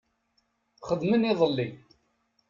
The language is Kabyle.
Xedmen iḍelli